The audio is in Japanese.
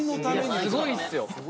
すごいっすよ。